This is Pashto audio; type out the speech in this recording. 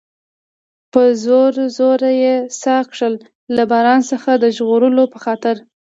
په زوره زوره یې ساه کښل، له باران څخه د ژغورلو په خاطر.